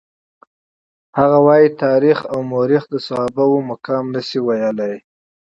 هغه وايي تاریخ او مورخ د صحابه وو مقام نشي ویلای.